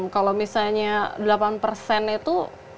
kalau misalnya delapan itu